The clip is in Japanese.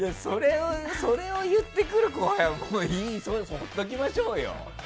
それを言ってくる後輩は放っておきましょうよ。